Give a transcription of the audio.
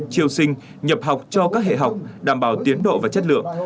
triêu sinh nhập học cho các hệ học đảm bảo tiến độ và chất lượng